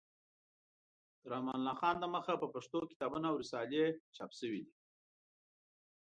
تر امان الله خان د مخه په پښتو کتابونه او رسالې چاپ شوې دي.